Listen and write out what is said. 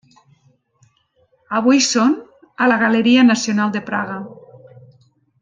Avui són a la Galeria Nacional de Praga.